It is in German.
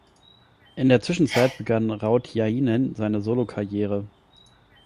In der Zwischenzeit begann Rautiainen seine Solokarriere.